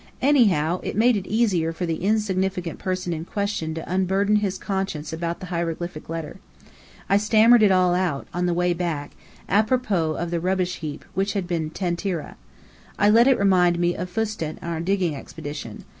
Anyhow, it made it easier for the insignificant person in question to unburden his conscience about the hieroglyphic letter. I stammered it all out, on the way back, apropos of the rubbish heap which had been Tentyra. I let it remind me of Fustât and our digging expedition.